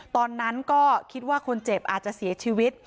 ตอนนั้นก็คิดว่าคนเจ็บอาจจะเสียชีวิต